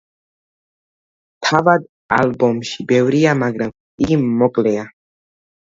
თავად ალბომში ბევრია, მაგრამ იგი მოკლეა.